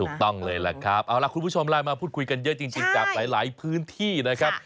ถูกต้องเลยล่ะครับเอาล่ะคุณผู้ชมไลน์มาพูดคุยกันเยอะจริงจากหลายพื้นที่นะครับ